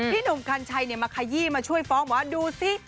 หนุ่มกัญชัยมาขยี้มาช่วยฟ้องบอกว่าดูสิ